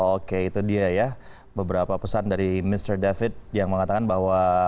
oke itu dia ya beberapa pesan dari mr david yang mengatakan bahwa